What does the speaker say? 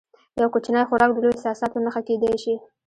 یو کوچنی خوراک د لویو احساساتو نښه کېدای شي.